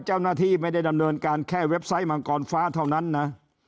เจ้าหน้าที่ไม่ได้ดำเนินการแค่เว็บไซต์มังกรฟ้าเท่านั้นนะ